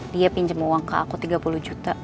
dia pinjam uang ke aku tiga puluh juta